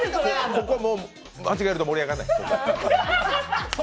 ここ間違えると盛り上がらない。